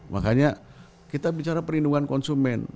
makanya kita bicara perlindungan konsumen